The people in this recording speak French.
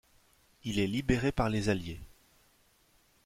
Il est libéré par les Alliés.